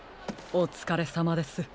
おつかれさまです。